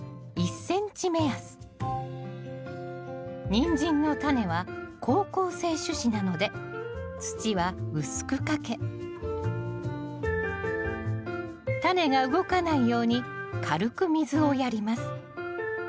ニンジンのタネは好光性種子なので土は薄くかけタネが動かないように軽く水をやります